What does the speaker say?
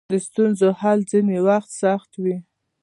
د ستونزو حل ځینې وخت سخت وي.